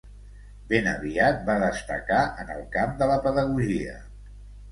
Ben aviat va destacar en el camp de la pedagogia.